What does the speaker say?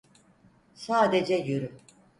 Sadece yürü.